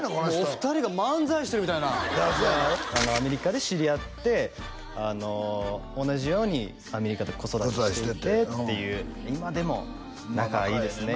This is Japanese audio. お二人が漫才してるみたいなアメリカで知り合って同じようにアメリカで子育てしていてっていう今でも仲いいですね